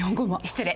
失礼。